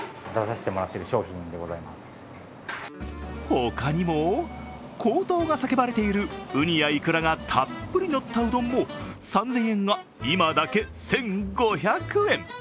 他にも、高騰が叫ばれているうにやいくらがたっぷりのったうどんも３０００円が今だけ１５００円。